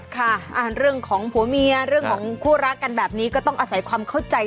ค่ะเรื่องของผัวเมียเรื่องของคู่รักกันแบบนี้ก็ต้องอาศัยความเข้าใจ